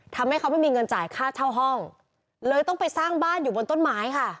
ทำให้เขาไม่มีเงินจ่ายค่าเช่าห้องเลยต้องไปสร้างบ้านอยู่บนต้นไม้ค่ะ